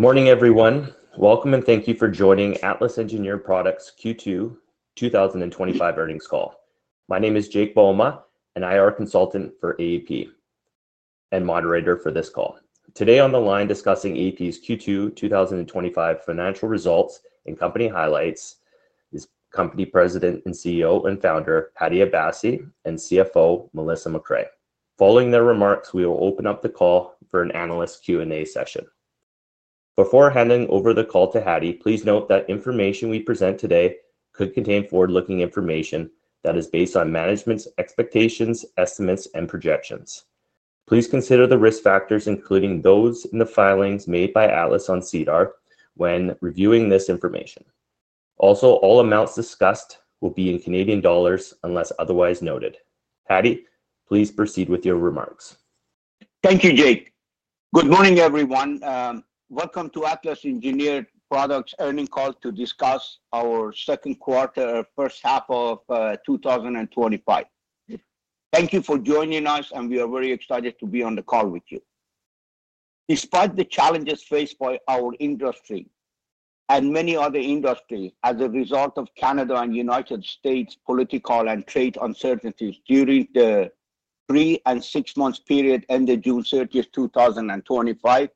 Good morning, everyone. Welcome and thank you for joining Atlas Engineered Products Q2 2025 Earnings Call. My name is Jake Bouma, and I am a consultant for AEP and moderator for this call. Today on the line discussing AEP's Q2 2025 financial results and company highlights is Company President, CEO, and Founder Hadi Abassi and CFO Melissa MacRae. Following their remarks, we will open up the call for an analyst Q&A session. Before handing over the call to Hadi, please note that information we present today could contain forward-looking information that is based on management's expectations, estimates, and projections. Please consider the risk factors including those in the filings made by Atlas on CDAR when reviewing this information. Also, all amounts discussed will be in Canadian dollars unless otherwise noted. Hadi, please proceed with your remarks. Thank you, Jake. Good morning, everyone. Welcome to Atlas Engineered Products' Earnings Call to discuss our second quarter, first half of 2025. Thank you for joining us, and we are very excited to be on the call with you. Despite the challenges faced by our industry and many other industries as a result of Canada and the United States' political and trade uncertainties during the three and six months period ending June 30, 2025,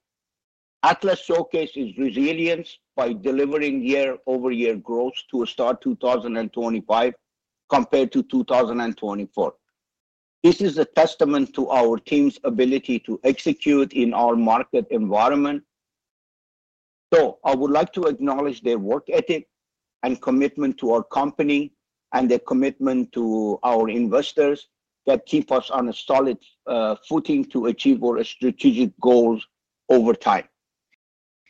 Atlas showcases resilience by delivering year-over-year growth to start 2025 compared to 2024. This is a testament to our team's ability to execute in our market environment. I would like to acknowledge their work ethic and commitment to our company and their commitment to our investors that keep us on a solid footing to achieve our strategic goals over time.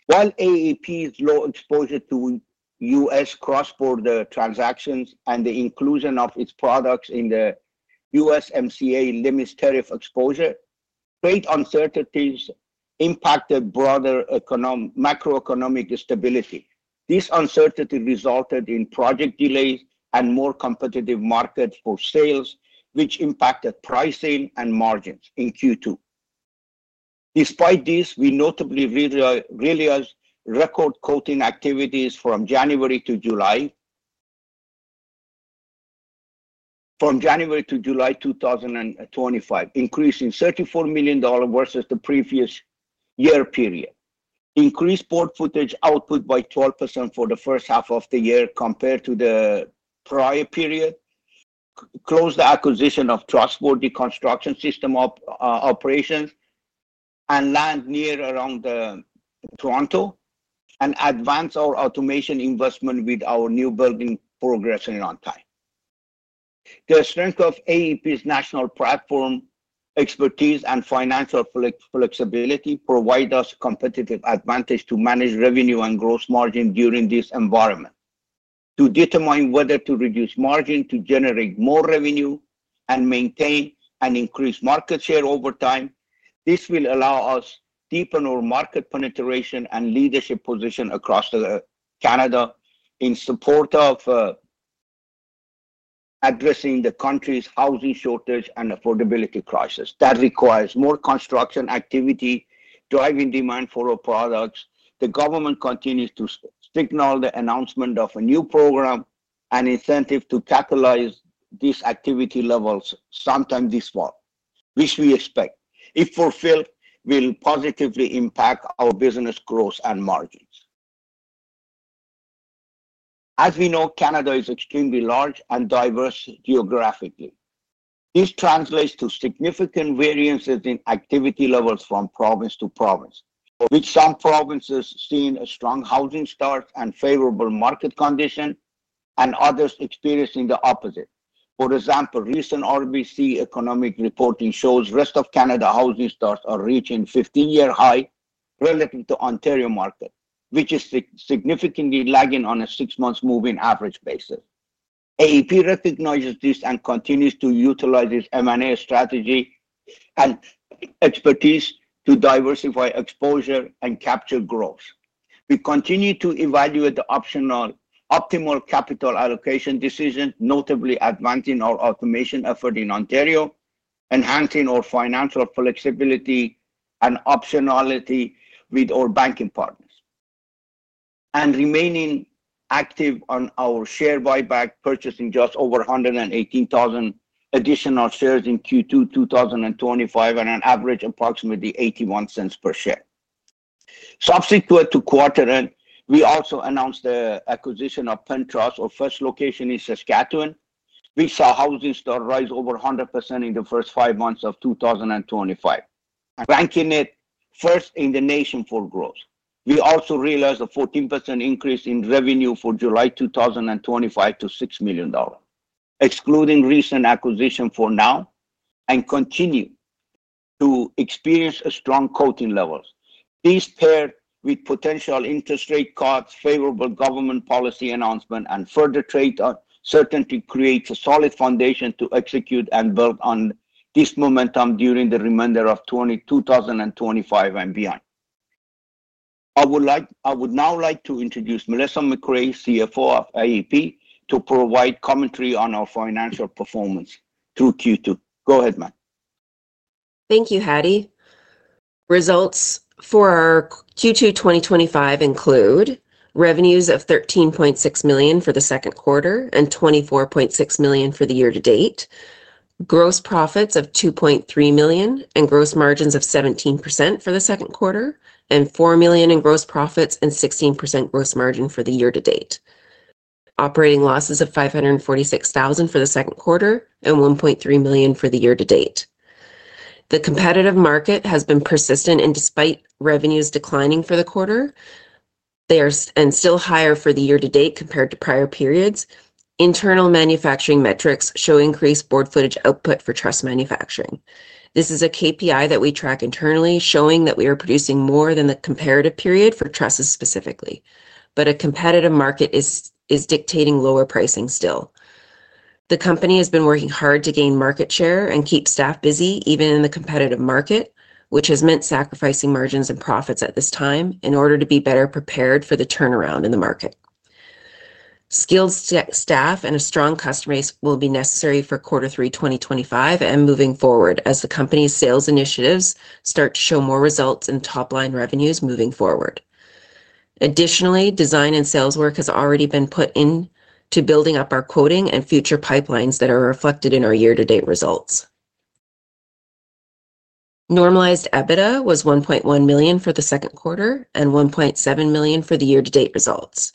While AEP's low exposure to U.S. cross-border transactions and the inclusion of its products in the USMCA limits tariff exposure, trade uncertainties impacted broader macroeconomic stability. This uncertainty resulted in project delays and more competitive markets for sales, which impacted pricing and margins in Q2. Despite this, we notably realized record quoting activity from January to July 2025, increasing 34 million dollars versus the previous year period. Increased board footage output by 12% for the first half of the year compared to the prior period, closed the acquisition of Truss-Worthy construction system operations, and land near along the Toronto and advanced our automation investment with our new building progressing on time. The strength of AEP's national platform expertise and financial flexibility provide us a competitive advantage to manage revenue and gross margin during this environment. To determine whether to reduce margin to generate more revenue and maintain and increase market share over time, this will allow us to deepen our market penetration and leadership position across Canada in support of addressing the country's housing shortage and affordability crisis that requires more construction activity, driving demand for our products. The government continues to signal the announcement of a new program and incentive to catalyze these activity levels sometime this fall, which we expect, if fulfilled, will positively impact our business growth and margins. As we know, Canada is extremely large and diverse geographically. This translates to significant variances in activity levels from province to province, with some provinces seeing a strong housing start and favorable market conditions, and others experiencing the opposite. For example, recent RBC economic reporting shows the rest of Canada's housing starts are reaching a 15-year high relative to the Ontario market, which is significantly lagging on a six-month moving average basis. Atlas Engineered Products recognizes this and continues to utilize its M&A strategy and expertise to diversify exposure and capture growth. We continue to evaluate the optimal capital allocation decision, notably advancing our automation effort in Ontario, enhancing our financial flexibility and optionality with our banking partners, and remaining active on our share buyback, purchasing just over 118,000 additional shares in Q2 2025 at an average of approximately 0.81 per share. Subsequent to quarter end, we also announced the acquisition of PenTrust, our first location in Saskatchewan. We saw housing starts rise over 100% in the first five months of 2025, ranking it first in the nation for growth. We also realized a 14% increase in revenue for July 2025 to 6 million dollars, excluding recent acquisition for now, and continue to experience strong quoting levels. This paired with potential interest rate cuts, favorable government policy announcements, and further trade uncertainty creates a solid foundation to execute and build on this momentum during the remainder of 2025 and beyond. I would now like to introduce Melissa MacRae, CFO of AEP, to provide commentary on our financial performance through Q2. Go ahead, ma'am. Thank you, Hadi. Results for Q2 2025 include revenues of 13.6 million for the second quarter and 24.6 million for the year-to-date, gross profits of 2.3 million and gross margins of 17% for the second quarter, and 4 million in gross profits and 16% gross margin for the year-to-date. Operating losses of 546,000 for the second quarter and 1.3 million for the year-to-date. The competitive market has been persistent, and despite revenues declining for the quarter, they are still higher for the year-to-date compared to prior periods. Internal manufacturing metrics show increased board footage output for truss manufacturing. This is a KPI that we track internally, showing that we are producing more than the comparative period for trusses specifically, but a competitive market is dictating lower pricing still. The company has been working hard to gain market share and keep staff busy even in the competitive market, which has meant sacrificing margins and profits at this time in order to be better prepared for the turnaround in the market. Skilled staff and a strong customer base will be necessary for Q3 2025 and moving forward as the company's sales initiatives start to show more results in top-line revenues moving forward. Additionally, design and sales work has already been put into building up our quoting and future pipelines that are reflected in our year-to-date results. Normalized EBITDA was 1.1 million for the second quarter and 1.7 million for the year-to-date results.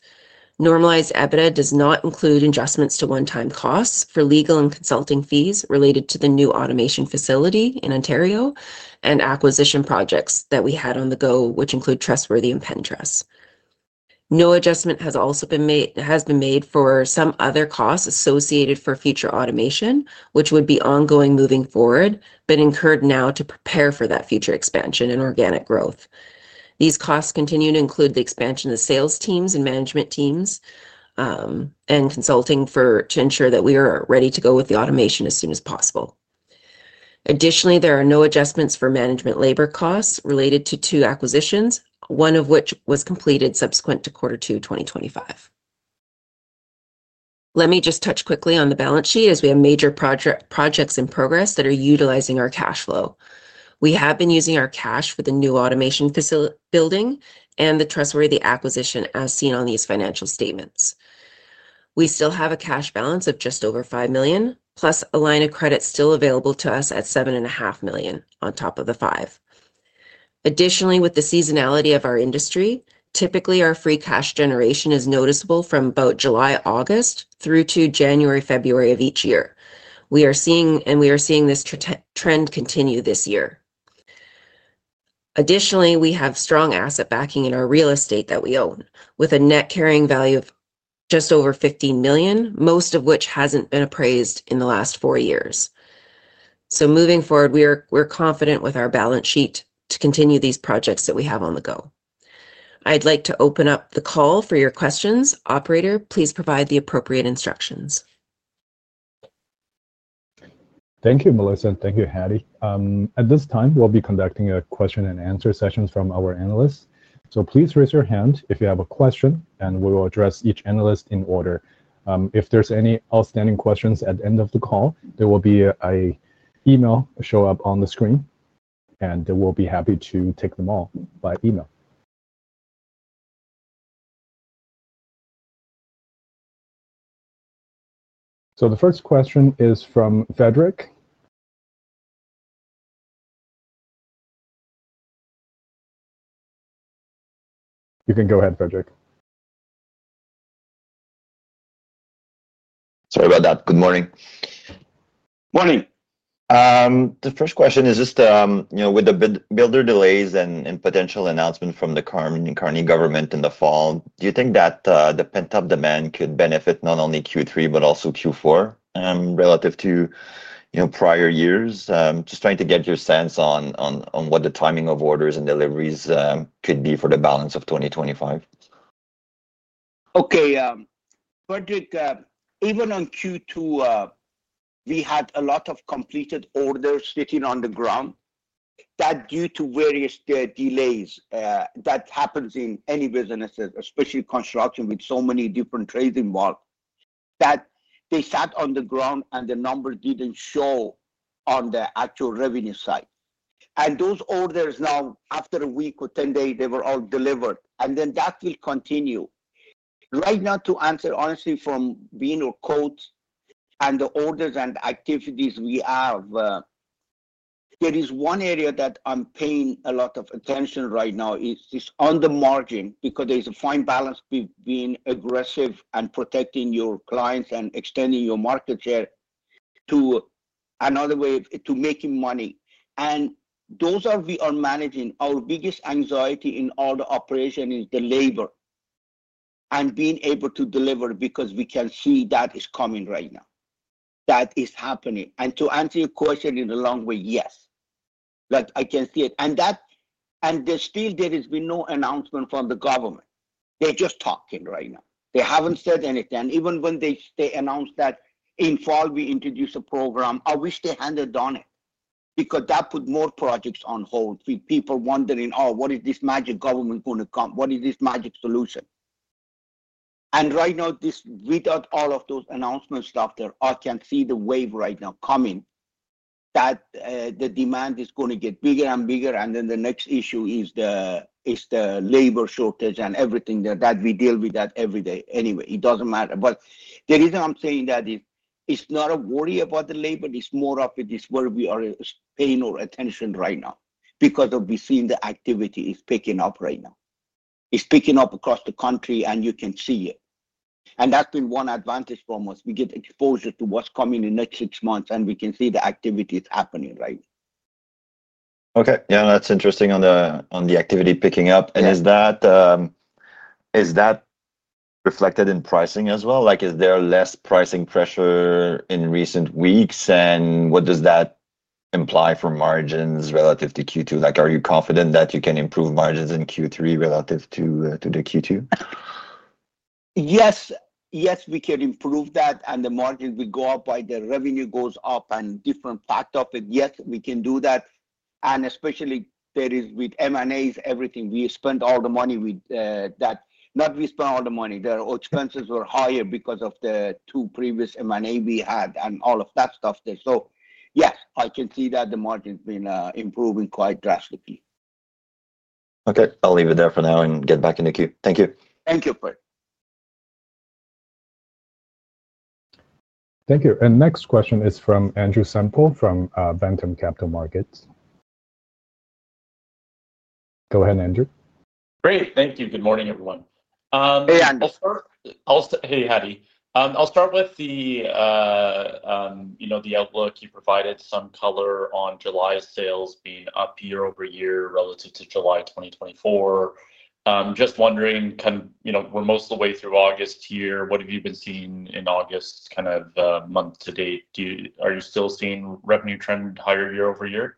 Normalized EBITDA does not include adjustments to one-time costs for legal and consulting fees related to the new automation facility in Ontario and acquisition projects that we had on the go, which include Truss-Worthy and PenTrust. No adjustment has also been made for some other costs associated for future automation, which would be ongoing moving forward, but incurred now to prepare for that future expansion in organic growth. These costs continue to include the expansion of the sales teams and management teams and consulting to ensure that we are ready to go with the automation as soon as possible. Additionally, there are no adjustments for management labor costs related to two acquisitions, one of which was completed subsequent to Q2 2025. Let me just touch quickly on the balance sheet as we have major projects in progress that are utilizing our cash flow. We have been using our cash for the new automation building and the Truss-Worthy acquisition as seen on these financial statements. We still have a cash balance of just over 5 million, plus a line of credit still available to us at 7.5 million on top of the 5 million. Additionally, with the seasonality of our industry, typically our free cash generation is noticeable from about July-August through to January-February of each year. We are seeing this trend continue this year. Additionally, we have strong asset backing in our real estate that we own, with a net carrying value of just over 15 million, most of which hasn't been appraised in the last four years. Moving forward, we're confident with our balance sheet to continue these projects that we have on the go. I'd like to open up the call for your questions. Operator, please provide the appropriate instructions. Thank you, Melissa, and thank you, Hadi. At this time, we'll be conducting a question and answer session from our analysts. Please raise your hand if you have a question, and we will address each analyst in order. If there are any outstanding questions at the end of the call, there will be an email showing up on the screen, and we'll be happy to take them all by email. The first question is from Frederic. You can go ahead, Frederic. Sorry about that. Good morning. Morning. The first question is just, you know, with the builder delays and potential announcement from the Carney government in the fall, do you think that the pent-up demand could benefit not only Q3 but also Q4 relative to prior years? Just trying to get your sense on what the timing of orders and deliveries could be for the balance of 2025. Okay. Frederic, even on Q2, we had a lot of completed orders sitting on the ground. That's due to various delays that happen in any businesses, especially construction, with so many different trades involved, that they sat on the ground and the numbers didn't show on the actual revenue side. Those orders now, after a week or 10 days, they were all delivered. That will continue. Right now, to answer honestly from being our quotes and the orders and activities we have, there is one area that I'm paying a lot of attention right now. It's on the margin because there's a fine balance between being aggressive and protecting your clients and extending your market share to another way to making money. Those are we are managing. Our biggest anxiety in all the operation is the labor and being able to deliver because we can see that is coming right now. That is happening. To answer your question in the long way, yes. I can see it. There has been no announcement from the government. They're just talking right now. They haven't said anything. Even when they announced that in fall we introduce a program, I wish they handed on it because that put more projects on hold with people wondering, "Oh, what is this magic government going to come? What is this magic solution?" Right now, without all of those announcements out there, I can see the wave right now coming that the demand is going to get bigger and bigger. The next issue is the labor shortage and everything that we deal with that every day. It doesn't matter. The reason I'm saying that is it's not a worry about the labor. It's more of it is where we are paying our attention right now because we're seeing the activity is picking up right now. It's picking up across the country, and you can see it. That's been one advantage for us. We get exposure to what's coming in the next six months, and we can see the activity is happening right now. Okay. Yeah, that's interesting on the activity picking up. Is that reflected in pricing as well? Like, is there less pricing pressure in recent weeks, and what does that imply for margins relative to Q2? Like, are you confident that you can improve margins in Q3 relative to Q2? Yes, we can improve that. The margins will go up while the revenue goes up and different backed up. Yes, we can do that, especially with M&A, everything. We spent all the money with that. Not we spent all the money. The expenses were higher because of the two previous M&A we had and all of that stuff there. Yes, I can see that the margin's been improving quite drastically. Okay, I'll leave it there for now and get back in the queue. Thank you. Thank you, Fred. Thank you. Next question is from Andrew Semple from Bantam Capital Markets. Go ahead, Andrew. Great. Thank you. Good morning, everyone. Hey, Andy. I'll start. Hey, Hadi. I'll start with the outlook you provided, some color on July sales being up year-over-year relative to July 2024. I'm just wondering, we're most of the way through August here. What have you been seeing in August, month to date? Are you still seeing revenue trend higher year-over-year?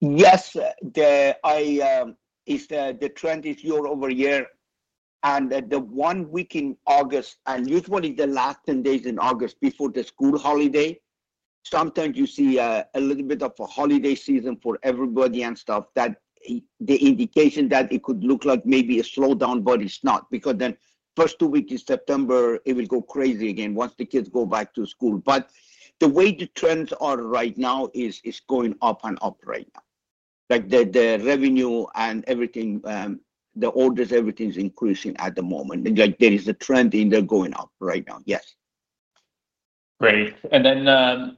Yes. The trend is year-over-year. The one week in August, and usually the last 10 days in August before the school holiday, sometimes you see a little bit of a holiday season for everybody and stuff, that the indication that it could look like maybe a slowdown, but it's not, because the first two weeks in September, it will go crazy again once the kids go back to school. The way the trends are right now is going up and up right now. Like the revenue and everything, the orders, everything's increasing at the moment. There is a trend in there going up right now. Yes. Right.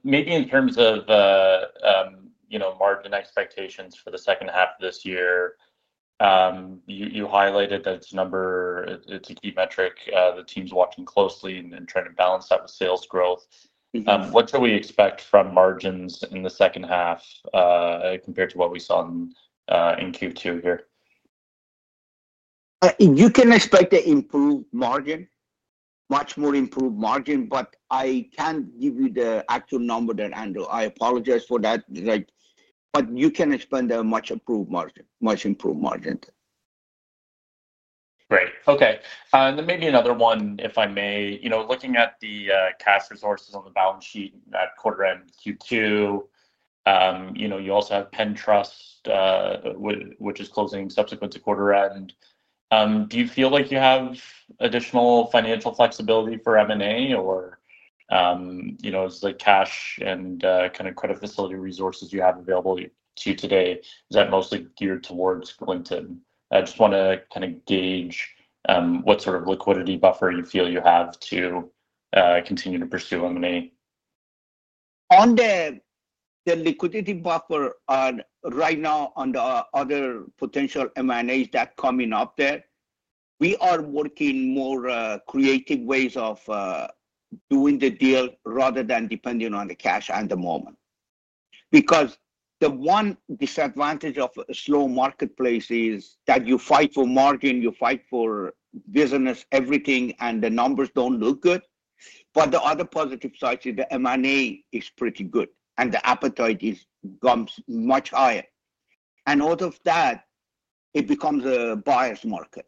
Maybe in terms of, you know, margin expectations for the second half of this year, you highlighted that it's a key metric that the team's watching closely and trying to balance that with sales growth. What do we expect from margins in the second half compared to what we saw in Q2 here? You can expect an improved margin, much more improved margin, but I can't give you the actual number there, Andrew. I apologize for that. You can expect a much improved margin. Right. Okay. Maybe another one, if I may, looking at the cash resources on the balance sheet at quarter-end Q2, you also have PenTrust, which is closing subsequent to quarter-end. Do you feel like you have additional financial flexibility for M&A, or is the cash and kind of credit facility resources you have available to you today mostly geared towards Clinton? I just want to gauge what sort of liquidity buffer you feel you have to continue to pursue M&A. On the liquidity buffer, right now, on the other potential M&As that are coming up, we are working more creative ways of doing the deal rather than depending on the cash at the moment. The one disadvantage of a slow marketplace is that you fight for margin, you fight for business, everything, and the numbers don't look good. The other positive side is the M&A is pretty good, and the appetite comes much higher. Out of that, it becomes a biased market.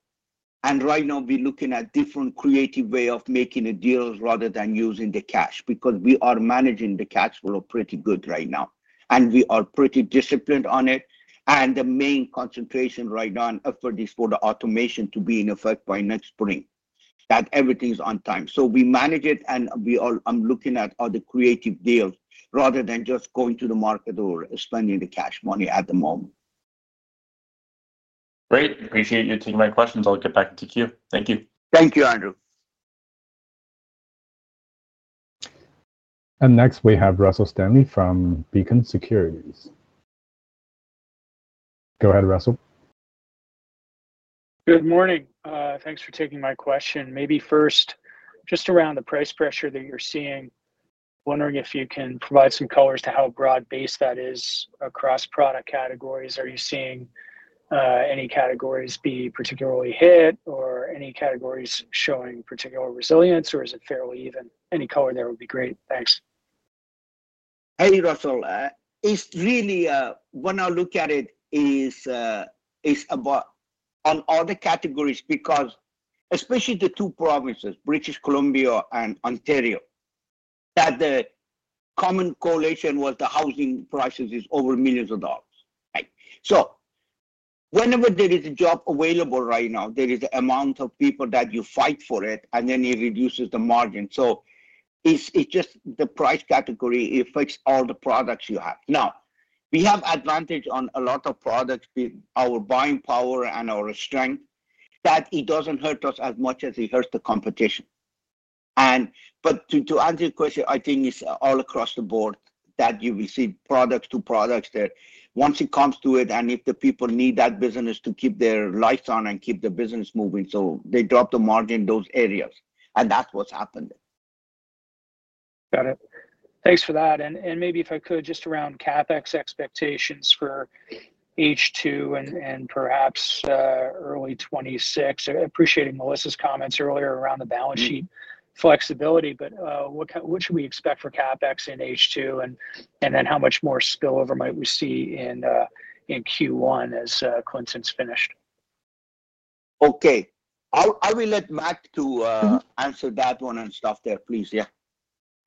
Right now, we're looking at different creative ways of making deals rather than using the cash because we are managing the cash flow pretty good right now. We are pretty disciplined on it. The main concentration right now and effort is for the automation to be in effect by next spring, that everything's on time. We manage it, and we are looking at other creative deals rather than just going to the market or spending the cash money at the moment. Great. I appreciate you taking my questions. I'll get back to Q. Thank you. Thank you, Andrew. Next, we have Russell Stanley from Beacon Securities. Go ahead, Russell. Good morning. Thanks for taking my question. Maybe first, just around the price pressure that you're seeing, wondering if you can provide some color to how broad-based that is across product categories. Are you seeing any categories be particularly hit or any categories showing particular resilience, or is it fairly even? Any color there would be great. Thanks. Hey, Russell. It's really, when I look at it, it's about on all the categories because especially the two provinces, British Columbia and Ontario, that the common correlation with the housing prices is over millions of dollars, right? Whenever there is a job available right now, there is an amount of people that you fight for it, and it reduces the margin. It's just the price category affects all the products you have. We have advantage on a lot of products with our buying power and our strength that it doesn't hurt us as much as it hurts the competition. To answer your question, I think it's all across the board that you will see products to products that once it comes to it, and if the people need that business to keep their lights on and keep the business moving, they drop the margin in those areas. And that's what's happened. Got it. Thanks for that. Maybe if I could, just around CapEx expectations for H2 and perhaps the early 2026, I appreciate Melissa's comments earlier around the balance sheet flexibility, but what should we expect for CapEx in H2, and then how much more spillover might we see in Q1 as Clinton's finished? Okay, I will let Mac answer that one, please. Yeah.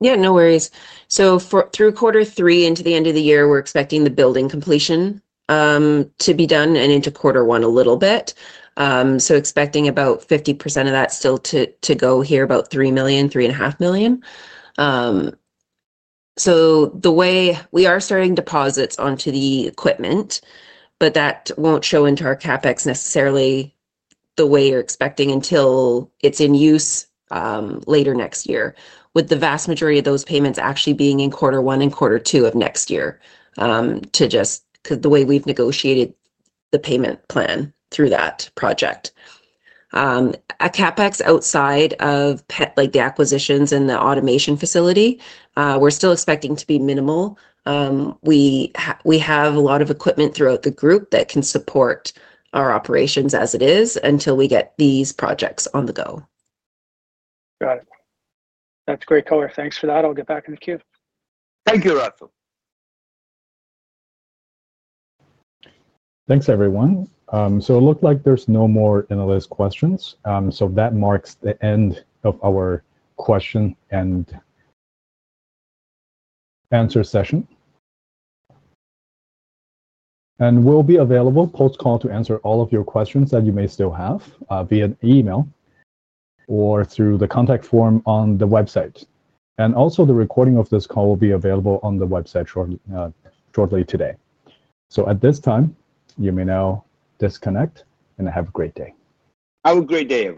No worries. Through quarter three into the end of the year, we're expecting the building completion to be done and into quarter one a little bit. We're expecting about 50% of that still to go here, about 3 million, 3.5 million. The way we are starting deposits onto the equipment, that won't show into our CapEx necessarily the way you're expecting until it's in use later next year, with the vast majority of those payments actually being in quarter one and quarter two of next year too, just because of the way we've negotiated the payment plan through that project. CapEx outside of the acquisitions and the automation facility, we're still expecting to be minimal. We have a lot of equipment throughout the group that can support our operations as it is until we get these projects on the go. Got it. That's a great color. Thanks for that. I'll get back in the queue. Thank you, Russell. Thanks, everyone. It looks like there's no more analyst questions. That marks the end of our question and answer session. We'll be available post-call to answer all of your questions that you may still have via email or through the contact form on the website. Also, the recording of this call will be available on the website shortly today. At this time, you may now disconnect and have a great day. Have a great day.